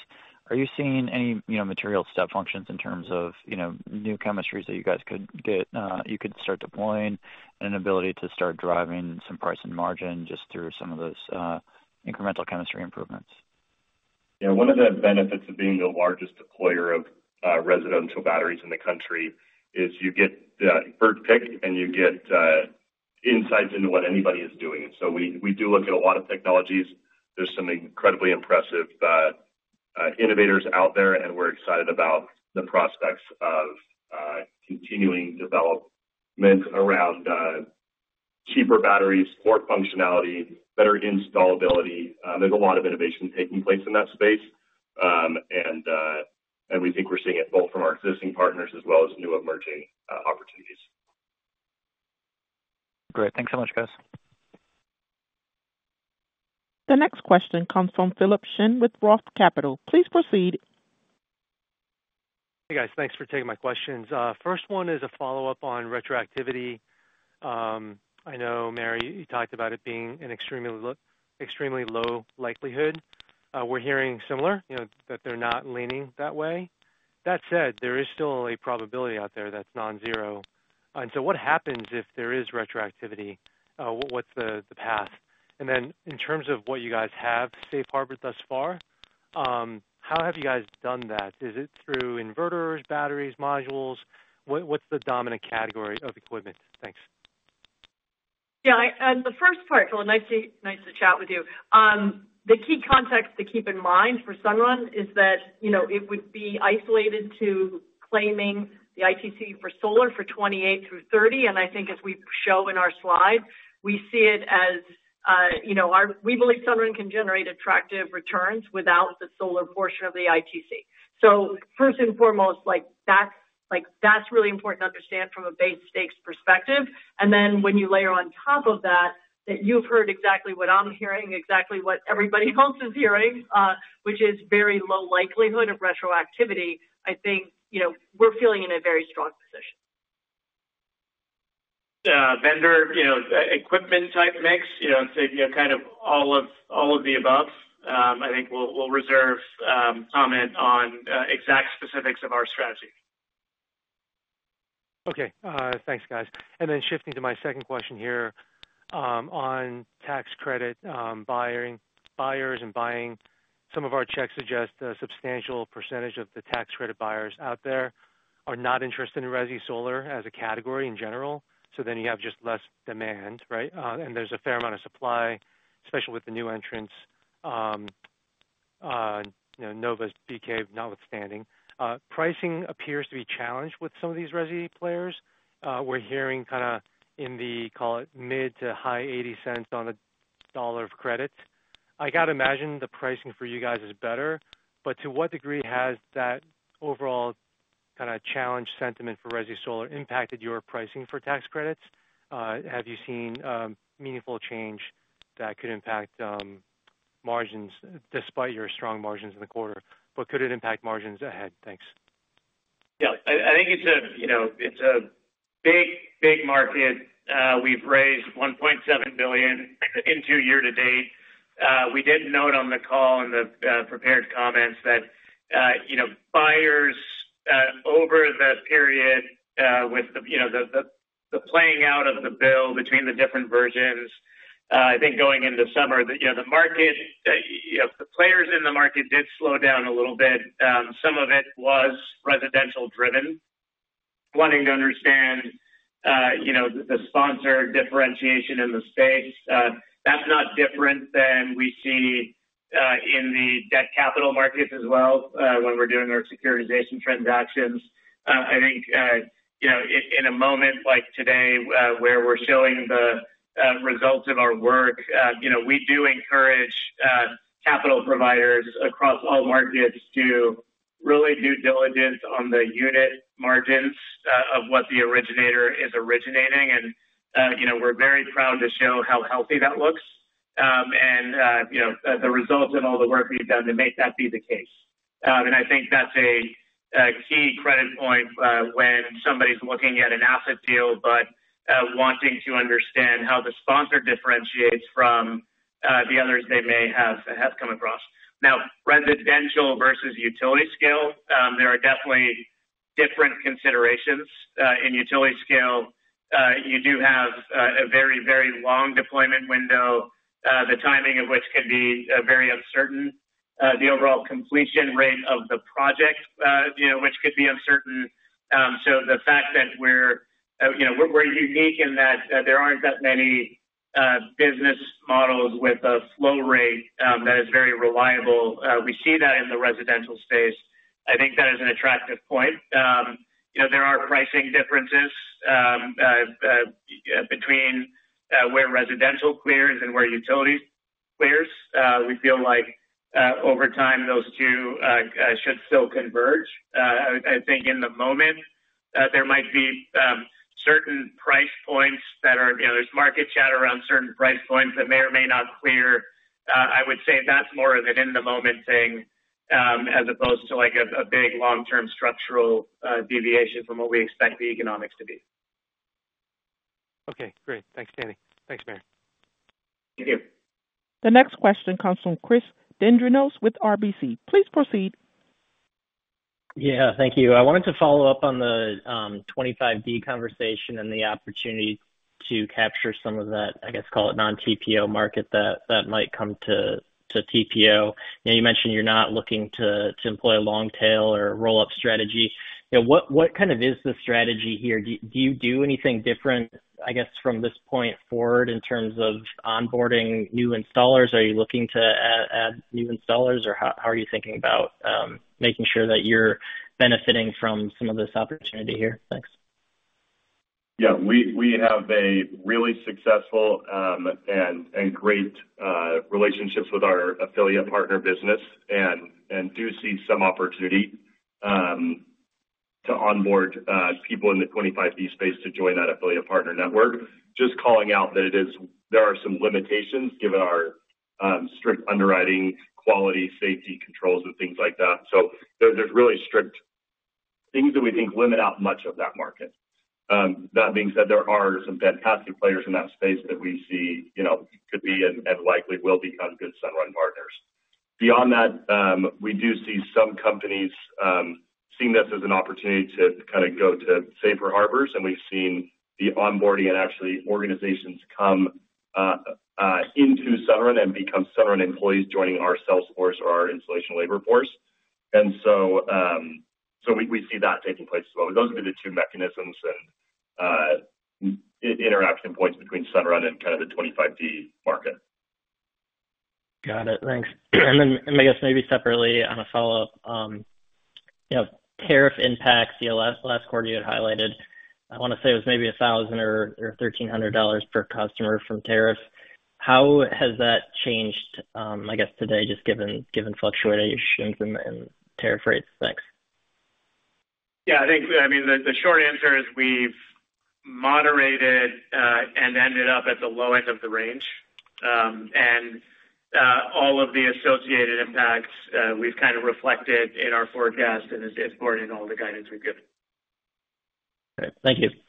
are you seeing any material step functions in terms of new chemistries that you guys could get, you could start deploying, and an ability to start driving some price and margin just through some of those incremental chemistry improvements? Yeah, one of the benefits of being the largest deployer of residential batteries in the country is you get the bird picks and you get insights into what anybody is doing. We do look at a lot of technologies. There's some incredibly impressive innovators out there, and we're excited about the prospects of continuing development around cheaper batteries, more functionality, better installability. There's a lot of innovation taking place in that space. We think we're seeing it both from our existing partners as well as new emerging opportunities. Great. Thanks so much, guys. The next question comes from Philip Shen with Roth Capital. Please proceed. Hey guys, thanks for taking my questions. First one is a follow-up on retroactivity. I know, Mary, you talked about it being an extremely low likelihood. We're hearing similar, you know, that they're not leaning that way. That said, there is still a probability out there that's non-zero. What happens if there is retroactivity? What's the path? In terms of what you guys have safe harbored thus far, how have you guys done that? Is it through inverters, batteries, modules? What's the dominant category of equipment? Thanks. Yeah, the first part, Phil, nice to chat with you. The key context to keep in mind for Sunrun is that it would be isolated to claiming the ITC for solar for 2028 through 2030. I think as we show in our slides, we see it as, you know, we believe Sunrun can generate attractive returns without the solar portion of the ITC. First and foremost, that's really important to understand from a base stakes perspective. When you layer on top of that, that you've heard exactly what I'm hearing, exactly what everybody else is hearing, which is very low likelihood of retroactivity, I think we're feeling in a very strong position. Yeah, vendor, you know, equipment type mix, you know, it's a kind of all of the above. I think we'll reserve comment on exact specifics of our strategy. Okay, thanks, guys. Shifting to my second question here on tax credit buyers and buying, some of our checks suggest a substantial percentage of the tax credit buyers out there are not interested in resi solar as a category in general. You have just less demand, right? There's a fair amount of supply, especially with the new entrants, Nova's BK notwithstanding. Pricing appears to be challenged with some of these resi players. We're hearing kind of in the, call it, mid to high $0.80 on the dollar of credit. I got to imagine the pricing for you guys is better, but to what degree has that overall kind of challenge sentiment for resi solar impacted your pricing for tax credits? Have you seen meaningful change that could impact margins despite your strong margins in the quarter, but could it impact margins ahead? Thanks. Yeah, I think it's a big, big market. We've raised $1.7 billion year to date. We did note on the call in the prepared comments that buyers over the period with the playing out of the bill between the different versions, I think going into summer, the market, the players in the market did slow down a little bit. Some of it was residential driven, wanting to understand the sponsor differentiation in the space. That's not different than we see in the debt capital markets as well when we're doing our securitization transactions. I think in a moment like today where we're showing the results of our work, we do encourage capital providers across all markets to really do diligence on the unit margins of what the originator is originating. We're very proud to show how healthy that looks, and the results and all the work we've done to make that be the case. I think that's a key credit point when somebody's looking at an asset deal, but wanting to understand how the sponsor differentiates from the others they may have come across. Now, residential versus utility scale, there are definitely different considerations. In utility scale, you do have a very, very long deployment window, the timing of which can be very uncertain. The overall completion rate of the project, which could be uncertain. The fact that we're unique in that there aren't that many business models with a flow rate that is very reliable. We see that in the residential space. I think that is an attractive point. There are pricing differences between where residential clears and where utility clears. We feel like over time those two should still converge. I think in the moment, there might be certain price points that are, there's market chatter around certain price points that may or may not clear. I would say that's more of an in-the-moment thing as opposed to a big long-term structural deviation from what we expect the economics to be. Okay, great. Thanks, Danny. Thanks, Mary. The next question comes from Chris Dendrinos with RBC. Please proceed. Thank you. I wanted to follow up on the 25D conversation and the opportunity to capture some of that, I guess, call it non-TPO market that might come to TPO. You mentioned you're not looking to employ a long tail or a roll-up strategy. What kind of is the strategy here? Do you do anything different, I guess, from this point forward in terms of onboarding new installers? Are you looking to add new installers, or how are you thinking about making sure that you're benefiting from some of this opportunity here? Thanks. Yeah, we have a really successful and great relationship with our affiliate partner business and do see some opportunity to onboard people in the 25D space to join that affiliate partner network. Just calling out that there are some limitations given our strict underwriting, quality, safety controls, and things like that. There are really strict things that we think limit out much of that market. That being said, there are some fantastic players in that space that we see, you know, could be and likely will become good settlement partners. Beyond that, we do see some companies seeing this as an opportunity to kind of go to safer harbors. We've seen the onboarding and actually organizations come into Sunrun and become Sunrun employees joining our sales force or our installation labor force. We see that taking place as well. Those would be the two mechanisms and interaction points between Sunrun and kind of the 25D market. Got it. Thanks. Maybe separately on a follow-up, you know, tariff impacts, last quarter you had highlighted, I want to say it was maybe $1,000 or $1,300 per customer from tariff. How has that changed today, just given fluctuations in tariff rates? Thanks. Yeah, I think the short answer is we've moderated and ended up at the low end of the range. All of the associated impacts we've kind of reflected in our forecast, and it's borne in all the guidance we've given. Thank you.